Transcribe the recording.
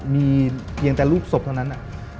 มีเพียงแต่รูปศพเท่านั้น